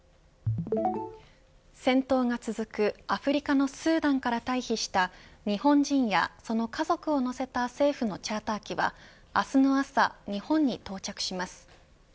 戦闘が続くアフリカのスーダンから退避した日本人やその家族を乗せた政府のチャーター機は明日の朝、日本に到着します。